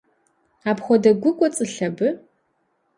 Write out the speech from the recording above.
Апхуэдэ гу кӏуэцӏылъ абы?